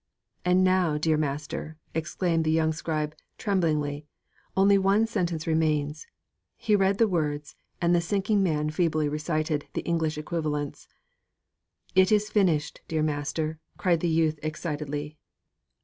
'And now, dear master,' exclaimed the young scribe tremblingly, 'only one sentence remains!' He read the words and the sinking man feebly recited the English equivalents. 'It is finished, dear master!' cried the youth excitedly.